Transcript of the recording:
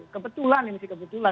kebetulan ini sih kebetulan